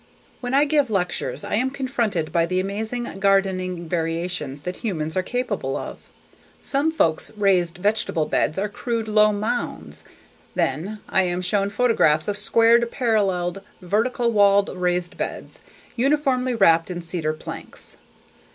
When I give lectures, I am confronted by the amazing gardening variations that humans are capable of. Some folks' raised vegetable beds are crude low mounds. Then, I am shown photographs of squared, paralleled vertical walled raised beds, uniformly wrapped in cedar planks.